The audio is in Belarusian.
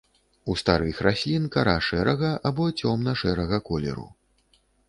У старых раслін кара шэрага або цёмна-шэрага колеру.